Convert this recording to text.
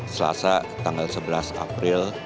selasa tanggal sebelas april